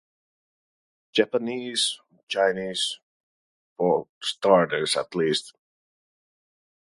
Japanese, Chinese... for starters, at least.